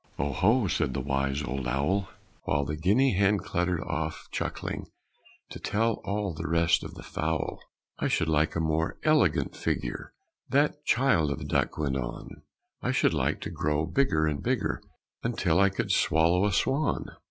"O ho!" said the wise old owl, While the guinea hen cluttered off chuckling To tell all the rest of the fowl. "I should like a more elegant figure," That child of a duck went on. "I should like to grow bigger and bigger, Until I could swallow a swan.